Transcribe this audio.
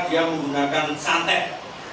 dia menggunakan santet